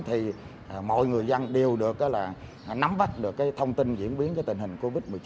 thì mọi người dân đều được nắm bắt được thông tin diễn biến tình hình covid một mươi chín